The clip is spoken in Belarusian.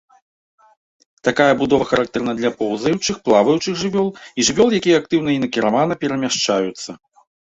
Такая будова характэрна для поўзаючых, плаваючых жывёл і жывёл, якія актыўна і накіравана перамяшчаюцца.